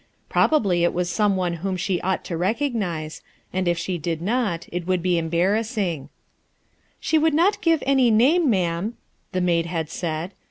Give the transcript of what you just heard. Probably it was some one whom she ought to recognize; and if she did not, it would be embarrassing, "She would not give any name, ma'am," the maid had said.